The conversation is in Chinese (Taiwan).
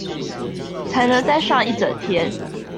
才能待上一整天